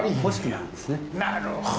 なるほど！